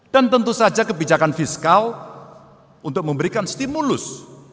dan tentu saja kebijakan fiskal untuk memberikan stimulus